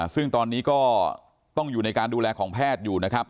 ซึ่งตอนนี้ก็ต้องอยู่ในการดูแลของแพทย์อยู่นะครับ